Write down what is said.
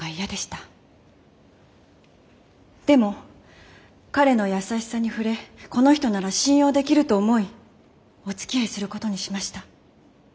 でも彼の優しさに触れこの人なら信用できると思いおつきあいすることにしました。